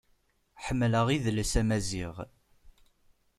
Ḥemmleɣ idles amaziɣ.